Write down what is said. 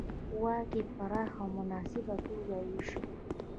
واک یې په پراخه او مناسبه توګه وېشه